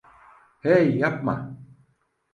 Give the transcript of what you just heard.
Hey, yapma!